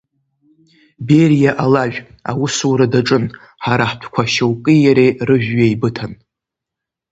Бериа алажә, аусура даҿын, ҳара ҳтәқәа шьоукы иареи рыжәҩа еибыҭан.